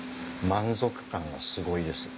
満足感がすごいです。